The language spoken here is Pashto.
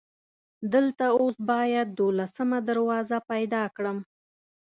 دلته اوس باید دولسمه دروازه پیدا کړم.